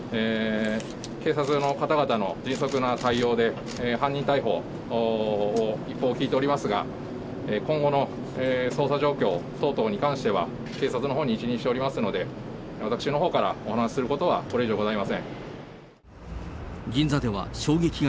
警察の方々の迅速な対応で、犯人逮捕、一報を聞いておりますが、今後の捜査状況等々に関しては、警察のほうに一任しておりますので、私のほうからお話することは、これ以上ございません。